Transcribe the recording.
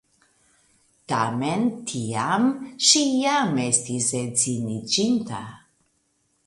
Tamen tiam ŝi jam estis edziniĝinta.